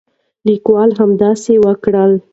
لیکوال همداسې وکړل.